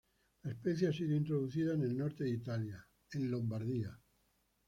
La especie ha sido introducida en el norte de Italia, en Lombardía.